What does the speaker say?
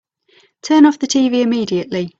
Turn off the tv immediately!